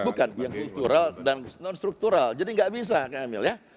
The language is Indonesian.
bukan yang kultural dan non struktural jadi nggak bisa kang emil ya